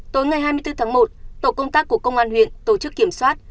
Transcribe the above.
tối ngày hai mươi bốn tháng một tổ công tác của công an huyện tổ chức kiểm soát